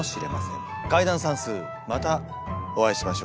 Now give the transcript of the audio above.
解談算数またお会いしましょう。